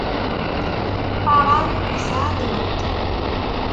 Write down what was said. Aṛan isɛa-d Luṭ.